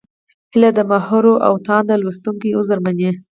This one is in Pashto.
هیله ده د محور او تاند لوستونکي عذر ومني.